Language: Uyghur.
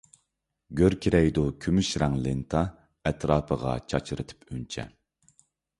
گۈركىرەيدۇ كۈمۈش رەڭ لېنتا، ئەتراپلارغا چاچرىتىپ ئۈنچە.